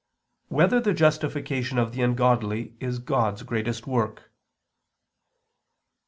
9] Whether the Justification of the Ungodly Is God's Greatest Work?